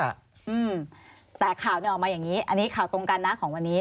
อืมแต่ข่าวนี้ออกมาอย่างนี้ข่าวตรงการน่าของวันนี้